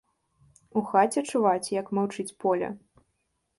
У хаце чуваць, як маўчыць поле.